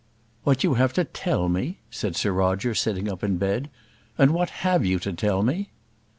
"What you have to tell me!" said Sir Roger, sitting up in bed; "and what have you to tell me?"